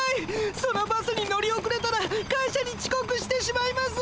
そのバスに乗り遅れたら会社にちこくしてしまいます。